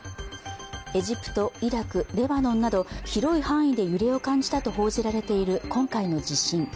エジプト、イラク、レバノンなど広い範囲で揺れを感じたと報じられている今回の地震。